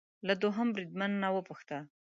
له دوهم بریدمن نه وپوښته